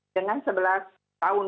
dengan sebelas tahun